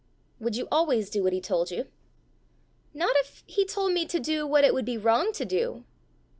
"Would you always do what he told you?" "Not if he told me to do what it would be wrong to do."